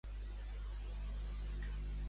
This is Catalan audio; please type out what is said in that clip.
S'ha afligit de cop, ell?